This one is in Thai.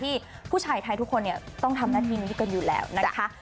ผู้ชายไทยทุกคนต้องทำหน้าที่นี้กันอยู่แล้วนะคะ